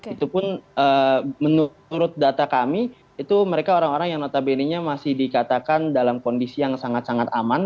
itu pun menurut data kami itu mereka orang orang yang notabene nya masih dikatakan dalam kondisi yang sangat sangat aman